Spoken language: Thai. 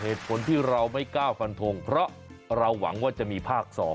เหตุผลที่เราไม่กล้าฟันทงเพราะเราหวังว่าจะมีภาค๒